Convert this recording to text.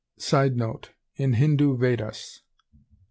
[Sidenote: In Hindu Vedas.